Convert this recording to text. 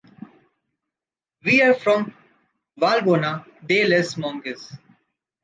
We are from Vallbona de les Monges.